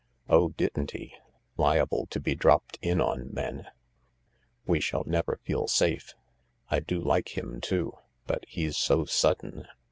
%" Oh, didn't he ? Liable to be dropped in on, then — we shall never feel safe. I do like him, too — but he's so sudden."